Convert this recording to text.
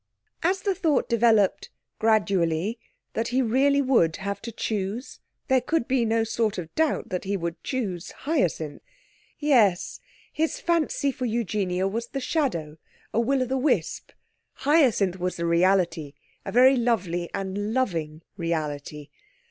As the thought developed, gradually, that he really would have to choose, there could be no sort of doubt that he would choose Hyacinth.... Yes, his fancy for Eugenia was the shadow, a will o' the wisp; Hyacinth was the reality a very lovely and loving reality.